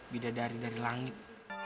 bidadari dari langit